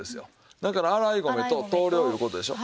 だから洗い米と等量いう事でしょう。